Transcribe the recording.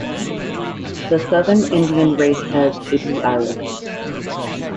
The southern Indian race has a blue iris.